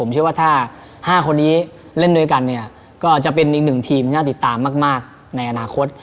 มีอีกหนึ่งทีมที่น่าติดตามมากในอนาคต